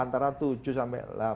antara tujuh sampai delapan